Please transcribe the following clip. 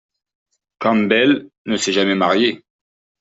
Campbell ne s'est jamais marié.